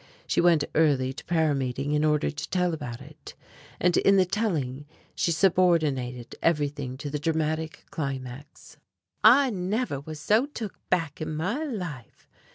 She went early to prayer meeting in order to tell about it. And in the telling she subordinated everything to the dramatic climax: "I never was so took back in my life!"